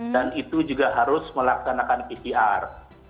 dan itu juga harus melaksanakan pcr